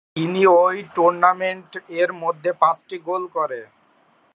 তিনি ওই টুর্নামেন্ট এর মধ্যে পাঁচটি গোল করে।